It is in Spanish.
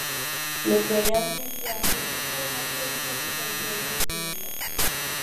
Lo que realmente hace es informar que dicha distancia es infinita.